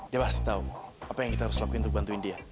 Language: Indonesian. dia pasti tahu apa yang kita harus lakukan untuk bantuin dia